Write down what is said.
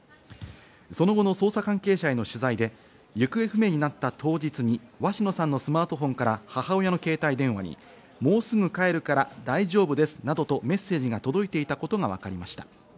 その後の捜査関係者への取材で行方不明になった当日に、鷲野さんのスマートフォンから母親の携帯電話に「もうすぐ帰るから大丈夫です」などとメッセージが届いていたことがわかりました。